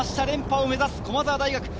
連覇を目指す駒澤大学。